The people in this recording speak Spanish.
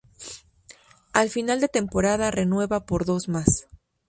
A final de temporada renueva por dos más.